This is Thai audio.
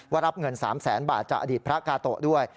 รับเงิน๓แสนบาทจากอดีตพระกาโตะด้วย